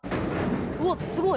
うわっすごい！